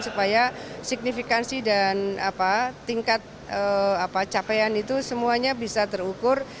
supaya signifikansi dan tingkat capaian itu semuanya bisa terukur